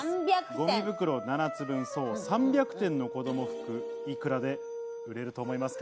ごみ袋７つ分、３００点の子供服、幾らで売れると思いますか？